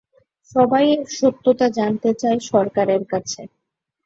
সবাই এর সত্যতা জানতে চায় সরকারের কাছে।